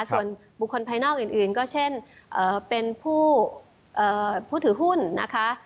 ส่วนบุคคลภายนอกอื่นก็เช่นเป็นผู้ถือหุ้นนะคะ